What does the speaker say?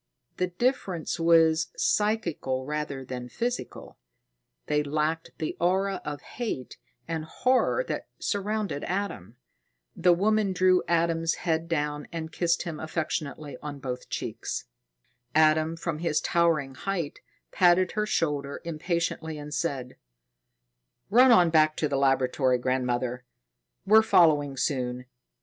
The difference was psychical rather than physical; they lacked the aura of hate and horror that surrounded Adam. The woman drew Adam's head down and kissed him affectionately on both cheeks. Adam, from his towering height, patted her shoulder impatiently and said: "Run on back to the laboratory, grandmother. We're following soon.